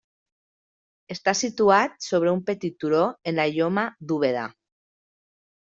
Està situat sobre un petit turó en la lloma d'Úbeda.